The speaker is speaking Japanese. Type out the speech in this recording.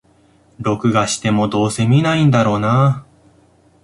録画しても、どうせ観ないんだろうなあ